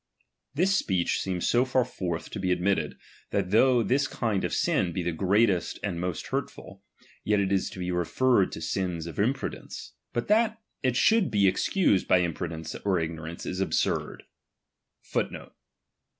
This speech seems so far forth to be admitted, that though this kiud of sin be the greatest and most hurtful, yet is it to be referred to sins of imprudence ;* but that it should be * Yet is it to be referred to aim of imprudence.